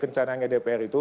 rencananya dpr itu